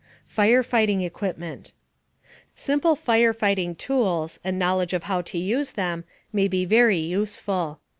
FIRE FIGHTING EQUIPMENT. Simple fire fighting tools, and knowledge of how to use them, may be very useful.